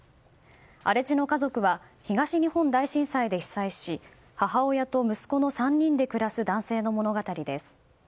「荒地の家族」は東日本大震災で被災し母親と息子の３人で暮らす男性の物語です。